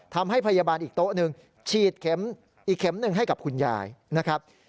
ทำให้พยาบาลอีกโต๊ะหนึ่งฉีดเข็มอีกเข็มหนึ่งให้กับคุณยายนะครับ